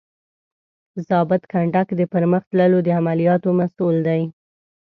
ضابط کنډک د پرمخ تللو د عملیاتو مسؤول دی.